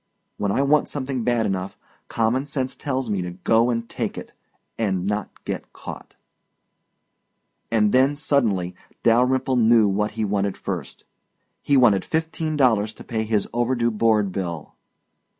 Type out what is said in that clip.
When I want something bad enough, common sense tells me to go and take it and not get caught. And then suddenly Dalyrimple knew what he wanted first. He wanted fifteen dollars to pay his overdue board bill.